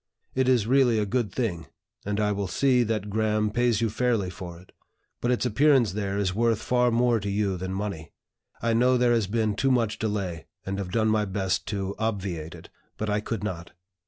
It is really a good thing, and I will see that Graham pays you fairly for it. But its appearance there is worth far more to you than money. I know there has been too much delay, and have done my best to obviate it. But I could not.